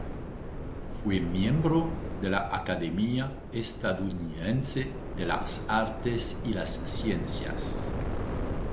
Fue miembro de la Academia Estadounidense de las Artes y las Ciencias.